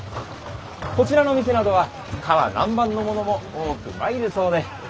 こちらの店などは唐南蛮のものも多く参るそうで！